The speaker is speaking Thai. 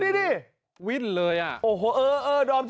นี่ดูคนนี้ดิ